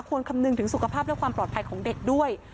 คำนึงถึงสุขภาพและความปลอดภัยของเด็กด้วย